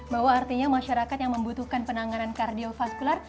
bahwa artinya masyarakat yang membutuhkan penanganan kardiofaskular